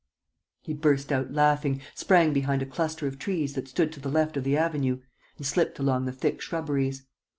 He burst out laughing, sprang behind a cluster of trees that stood to the left of the avenue and slipped along the thick shrubberies.